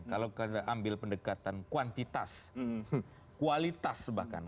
kalau kita ambil pendekatan kuantitas kualitas bahkan